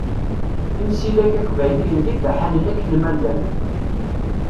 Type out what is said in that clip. Imsidag iqbayliyen d ibaḥanen akken ma llan.